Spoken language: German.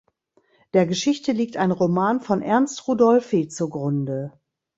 Der Geschichte liegt ein Roman von Ernst Rudolphi zugrunde.